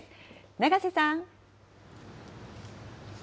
長瀬さん。